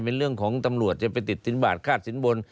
เป็นเรื่องของตำรวจจะไปติดสินบาทค่าสินบน